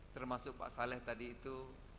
termasuk pak saleh tadi itu